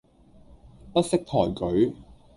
不識抬舉